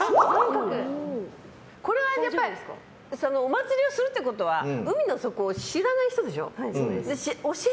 これはおまつりをするってことは海の底を知らない人でしょ。